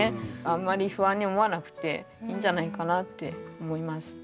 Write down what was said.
あんまり不安に思わなくていいんじゃないかなって思います。